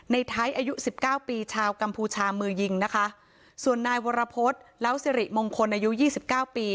ในไทยอายุสิบเก้าปีชาวกัมพูชามือยิงนะคะส่วนนายวรพฤษเล้าสิริมงคลอายุยี่สิบเก้าปี